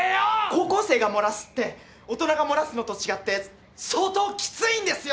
高校生が漏らすって大人が漏らすのと違って相当きついんですよ！